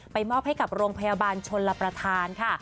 มอบให้กับโรงพยาบาลชนลประธานค่ะ